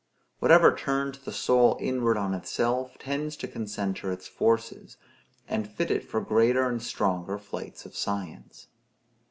Whatever turns the soul inward on itself, tends to concentre its forces, and to fit it for greater and stronger flights of science.